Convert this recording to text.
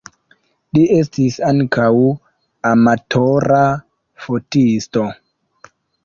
Li estis ankaŭ amatora fotisto.